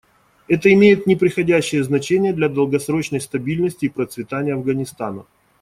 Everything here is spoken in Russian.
Это имеет непреходящее значение для долгосрочной стабильности и процветания Афганистана.